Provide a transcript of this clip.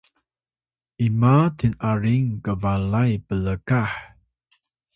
ima tin’aring kbalay plkah?